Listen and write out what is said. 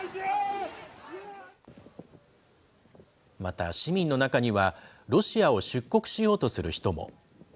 また、市民の中には、ロシアを出国しようとする人も。